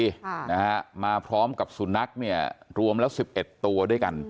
ค่ะนะฮะมาพร้อมกับสุนัขเนี่ยรวมแล้วสิบเอ็ดตัวด้วยกัน